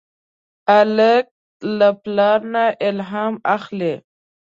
هلک له پلار نه الهام اخلي.